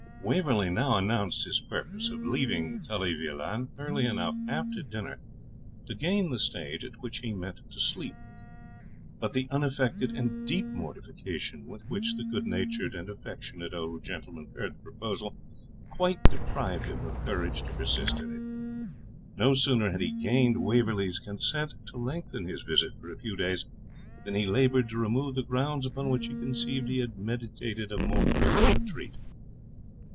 Waverley now announced his purpose of leaving Tully Veolan early enough after dinner to gain the stage at which he meant to sleep; but the unaffected and deep mortification with which the good natured and affectionate old gentleman heard the proposal quite deprived him of courage to persist in it. No sooner had he gained Waverley's consent to lengthen his visit for a few days than he laboured to remove the grounds upon which he conceived he had meditated a more early retreat.